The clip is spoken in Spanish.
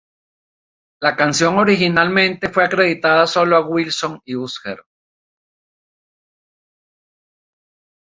La canción originalmente fue acreditada sólo a Wilson y Usher.